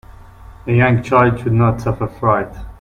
A young child should not suffer fright.